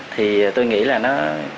thì tôi nghĩ là nó